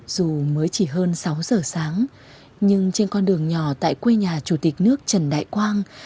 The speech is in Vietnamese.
dù mới chỉ hơn sáu giờ sáng nhưng trên con đường nhỏ tại quê nhà chủ tịch nước trần đại quang